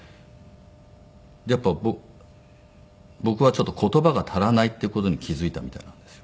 やっぱり僕はちょっと言葉が足らないっていう事に気付いたみたいなんですよ。